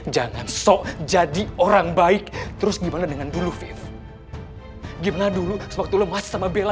jangan sok jadi orang baik terus gimana dengan dulu viv gimana dulu waktu lemas sama bella